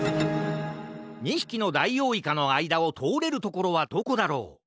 ２ひきのダイオウイカのあいだをとおれるところはどこだろう？